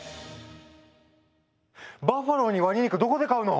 バッファローにワニ肉どこで買うの⁉